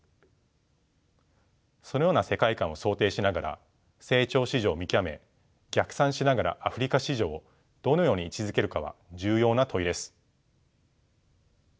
そのような世界観を想定しながら成長市場を見極め逆算しながらアフリカ市場をどのように位置づけるかは重要な問いです。